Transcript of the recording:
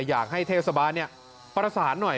อยากให้เทพสาบานเนี่ยประสานหน่อย